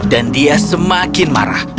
dan dia semakin marah